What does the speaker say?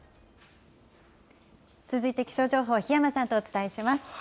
続いて気象情報、檜山さんとお伝えします。